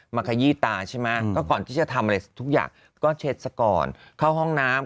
ขยี้ตาใช่ไหมก็ก่อนที่จะทำอะไรทุกอย่างก็เช็ดซะก่อนเข้าห้องน้ำ